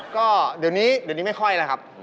ก็เดี๋ยวนี้ไม่ค่อยค่ะครับ